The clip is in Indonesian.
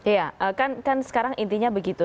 iya kan sekarang intinya begitu